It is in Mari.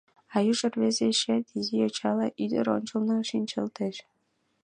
А южо рвезе эшеат изи йочала ӱдыр ончылно шинчылтеш!